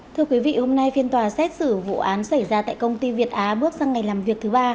thưa quý vị hôm nay phiên tòa xét xử vụ án xảy ra tại công ty việt á bước sang ngày làm việc thứ ba